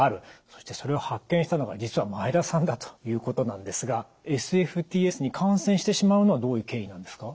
そしてそれを発見したのが実は前田さんだということなんですがＳＦＴＳに感染してしまうのはどういう経緯なんですか？